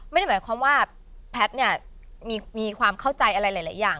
ไม่ได้หมายความว่าแพทย์เนี่ยมีความเข้าใจอะไรหลายอย่าง